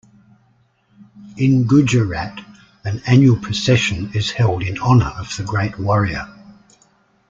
In Gujarat, an annual procession is held in honor of the great warrior.